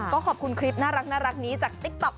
ก็ขอบคุณคลิปน่ารักนี้จากติ๊กต๊อก